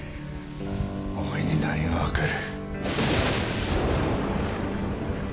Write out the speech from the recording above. お前に何がわかる。